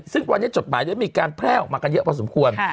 ซึ่งวันนี้จดหมายได้มีการแพร่ออกมากันเยอะพอสมควร